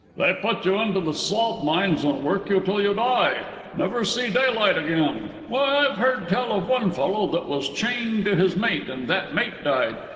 "They put you into the salt mines and work you till you die. Never see daylight again. Why, I've heard tell of one fellow that was chained to his mate, and that mate died.